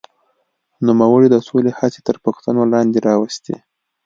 نوموړي د سولې هڅې تر پوښتنې لاندې راوستې.